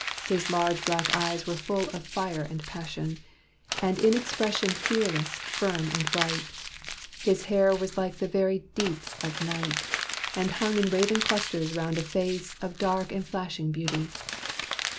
His large black eyes were full of fire and passion, And in expression fearless, firm, and bright. His hair was like the very deeps of night, And hung in raven clusters 'round a face Of dark and flashing beauty.